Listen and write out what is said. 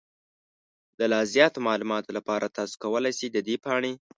د لا زیاتو معلوماتو لپاره، تاسو کولی شئ د دې پاڼې